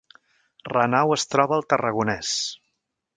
Renau es troba al Tarragonès